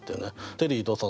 テリー伊藤さん